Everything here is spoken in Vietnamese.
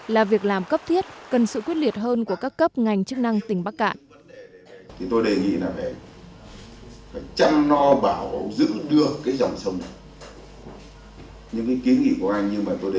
là việc làm cấp thiết cần sự quyết liệt hơn của các cấp ngành chức năng tỉnh bắc cạn